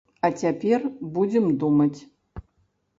А цяпер будзем думаць.